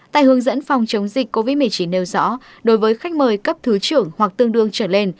tại hướng dẫn phòng chống dịch covid một mươi chín nêu rõ đối với khách mời cấp thứ trưởng hoặc tương đương trở lên